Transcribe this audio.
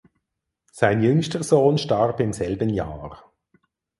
Sein jüngster Sohn starb im selben Jahr.